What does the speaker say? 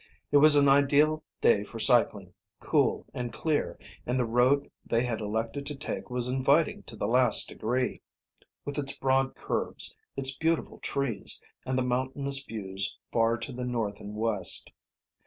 It was an ideal day for cycling, cool and clear, and the road they had elected to take was inviting to the last degree, with its broad curves, its beautiful trees, and the mountainous views far to the north and west.